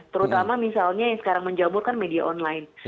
terutama misalnya yang sekarang menjamurkan media online